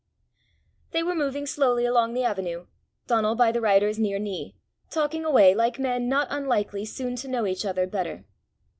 They were moving slowly along the avenue, Donal by the rider's near knee, talking away like men not unlikely soon to know each other better.